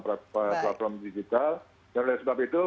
platform digital dan oleh sebab itu